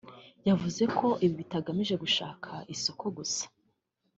yavuze ko ibi bitagamije gushaka isoko gusa